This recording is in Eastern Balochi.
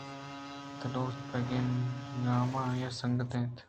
دلوت ءُ گُنگدام آئی ءِ سنگت اَنت